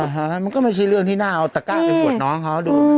มันก็ไม่ใช่เรื่องที่น่าเอาตะก้าไปปวดน้องเขาดู